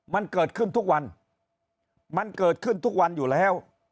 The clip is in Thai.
มันเกิดขึ้นทุกวันมันเกิดขึ้นทุกวันอยู่แล้ว